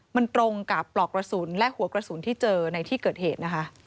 มันตรงกับปลอกกระสุนและหัวกระสุนที่เจอในที่เกิดเหตุนะคะ